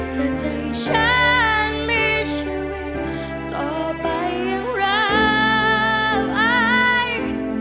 เธอจะให้ฉันมีชีวิตต่อไปอย่างไร